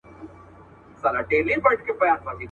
لکه ګل په پرېشانۍ کي مي خندا ده.